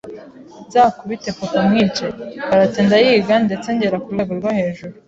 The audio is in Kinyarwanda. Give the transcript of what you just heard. nzakubite papa mwice, karate ndayiga ndetse ngera ku rwego rwo hejuru